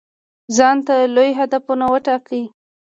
ځانته لوی هدفونه وټاکئ.